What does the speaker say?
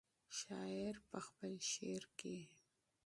شاعر په خپل شعر کې.